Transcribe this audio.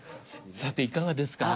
さていかがですか？